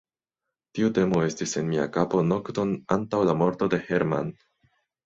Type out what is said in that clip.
Tiu temo estis en mia kapo nokton antaŭ la morto de Hermann.